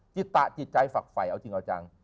จิตตะจิตใจฝักไฟเอาจริงเอาจัง